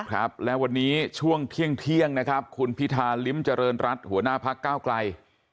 ครับและวันนี้ช่วงเที่ยงนะครับคุณพิธาลิ้มเจริญรัฐหัวหน้าพักก้าวไกล